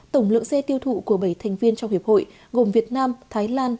tổng lượng xe tiêu thụ của bảy thành viên trong hiệp hội gồm việt nam thái lan